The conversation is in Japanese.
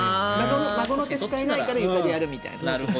孫の手が使えないから床でやるみたいな。